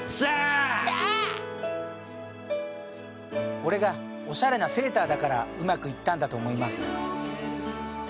「俺がおしゃれなセーターだからうまくいったんだと思います。